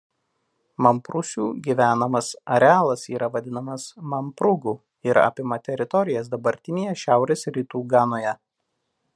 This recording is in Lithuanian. Mamprusių gyvenamas arealas yra vadinamas "Mamprugu" ir apima teritorijas dabartinėje šiaurės rytų Ganoje.